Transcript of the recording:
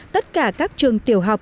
tất cả các trường tiểu học